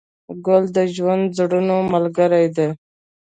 ګل د ژوندي زړونو ملګری دی.